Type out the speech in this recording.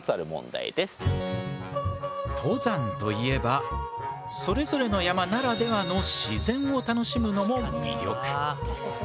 登山といえばそれぞれの山ならではの自然を楽しむのも魅力。